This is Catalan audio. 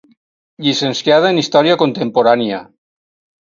Llicenciada en història contemporània.